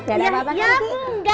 gak ada apa apa kan kiki